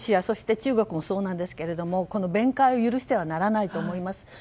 そして、中国もそうなんですが弁解を許してはならないと思います。